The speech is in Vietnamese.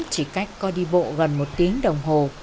chỉ cách có đi bộ gần một tiếng đồng hồ